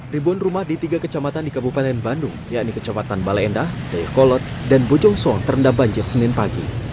ribuan rumah di tiga kecamatan di kabupaten bandung yakni kecamatan baleendah dayakolot dan bojongsong terendam banjir senin pagi